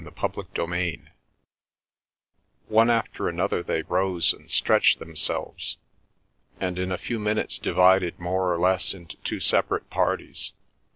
CHAPTER XI One after another they rose and stretched themselves, and in a few minutes divided more or less into two separate parties.